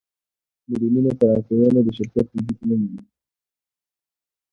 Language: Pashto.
میلیونونو فرانسویانو د شرکت وجود ومانه.